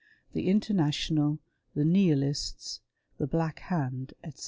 The International, The Nihilists, The Black Hand, etc.